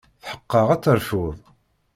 Tḥeqqeɣ ad terfuḍ.